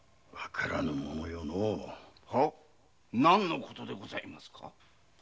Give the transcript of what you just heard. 何の事でございますか？